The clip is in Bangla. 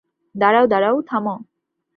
দাঁড়াও, দাঁড়াও, থামো।